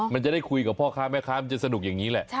มันจะได้คุยกับพ่อค้าแม่ค้ามันจะสนุกอย่างนี้แหละ